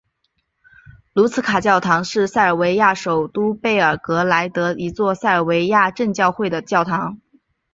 卢茨卡教堂是塞尔维亚首都贝尔格莱德的一座塞尔维亚正教会的教堂。